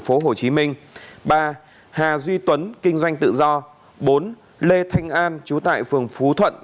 phố hồ chí minh ba hà duy tuấn kinh doanh tự do bốn lê thanh an chú tại phường phú thuận